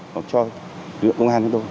hoặc cho lực lượng công an chúng tôi